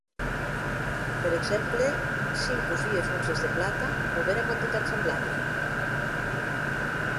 Per exemple, cinc o sies onzes de plata o bèra quantitat semblabla.